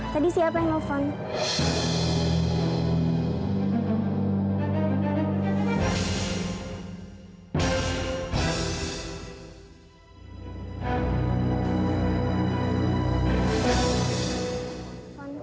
tadi siapa yang nelfon